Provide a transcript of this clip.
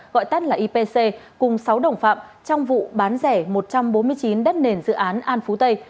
gọi tắt là ipc cùng sáu đồng phạm trong vụ bán rẻ một trăm bốn mươi chín đất nền dự án an phú tây